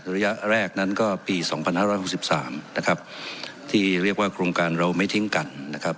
ระยะแรกนั้นก็ปีสองพันห้าร้อยหกสิบสามนะครับที่เรียกว่าโครงการเราไม่ทิ้งกันนะครับ